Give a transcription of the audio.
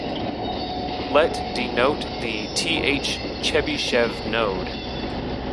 Let denote the -th Chebyshev node.